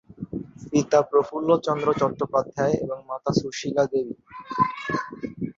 পিতা প্রফুল্লচন্দ্র চট্টোপাধ্যায় এবং মাতা সুশীলা দেবী।